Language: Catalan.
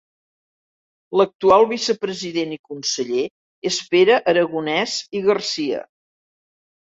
L'actual Vicepresident i conseller és Pere Aragonès i Garcia.